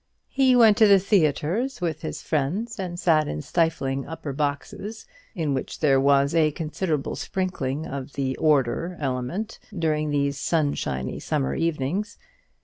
He went to the theatres with his friend, and sat in stifling upper boxes, in which there was a considerable sprinkling of the "order" element, during these sunshiny summer evenings.